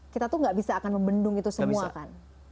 kita tuh gak bisa akan membendung itu semua kan